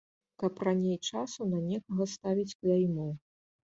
Каб раней часу на некага ставіць кляймо.